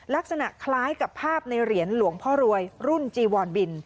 ลักษณะคล้ายกับภาพในเหรียญหลวงพ่อรวยรุ่นจีวอนบิน